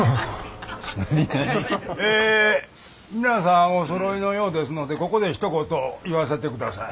え皆さんおそろいのようですのでここでひと言言わせてください。